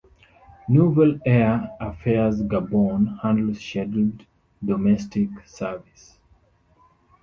Nouvelle Air Affaires Gabon handles scheduled domestic service.